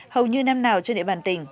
hầu như năm nào trên địa bàn tỉnh